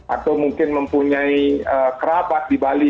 atau mungkin mempunyai kerabat di bali